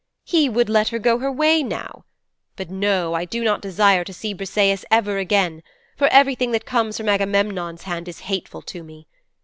He would let her go her way now! But no, I do not desire to see Briseis ever again, for everything that comes from Agamemnon's hand is hateful to me.